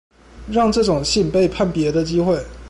讓這種信被判別的機會